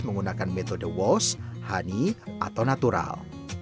menggunakan metode walsh honey atau natural